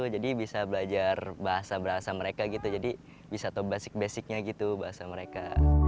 jadi bisa belajar bahasa bahasa mereka gitu bisa top basic basicnya gitu bahasa mereka